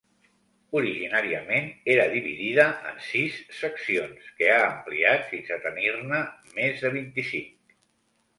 Originàriament era dividida en sis seccions que ha ampliat fins a tenir-ne més de vint-i-cinc.